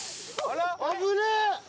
危ねえ！